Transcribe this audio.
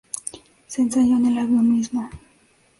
Se ensayó en el avión mismo.